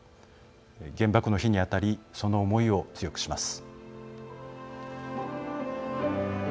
原爆の日に当たりその思いを強くします。